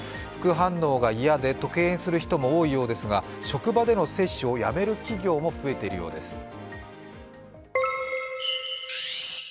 副反応が嫌でと敬遠する人も多いようですが職場での接種をやめる企業も増えているそうです。